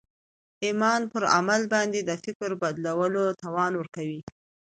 ایمان پر عمل باندې د فکر بدلولو توان ورکوي